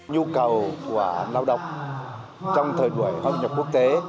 nhu cầu của lao động trong thời đuổi hợp nhập quốc tế